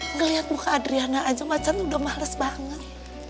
ngeliat muka adriana aja macan udah males banget